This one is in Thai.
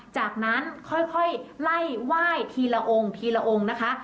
จากนั้นค่อยไล่ไหว้ทีละองค์ทีละองค์นะคะ